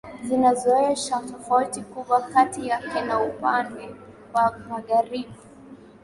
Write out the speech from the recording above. Zinazoonyesha tofauti kubwa kati yake na upande wa magharibi